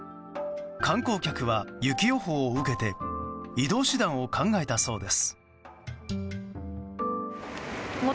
観光客は雪予報を受けて移動手段を考えたそうです。